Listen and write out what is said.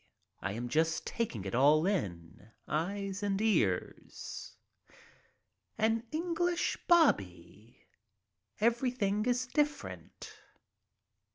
I am just taking it all in, eyes and ears. An English "bobby." Everything is different.